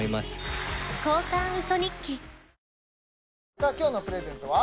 さあ今日のプレゼントは？